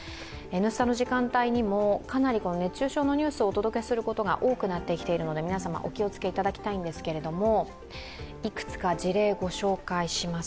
「Ｎスタ」の時間帯にも熱中症のニュースをお届けすることが多くなってきているので皆様、お気をつけいただきたいんですけれども。